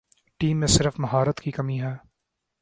Team میں صرف مہارت کی کمی ہے ۔